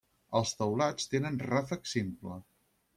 Els teulats tenen ràfec simple.